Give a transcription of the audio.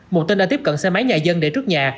một tên đã tiếp cận xe máy nhà dân để trước nhà